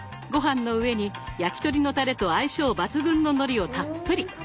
ごはんの上に焼き鳥のたれと相性抜群ののりをたっぷり。